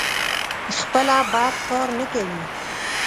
خپله بد کار نه کوي.